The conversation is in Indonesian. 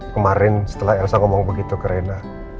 karena kemarin setelah elsa ngomong begitu ke rena